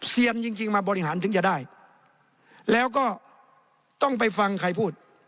เซียนจริงมาบริหารถึงจะได้แล้วก็ต้องไปฟังใครพูด